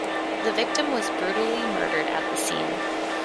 The victim was brutally murdered at the scene.